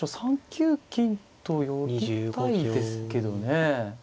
３九金と寄りたいですけどね。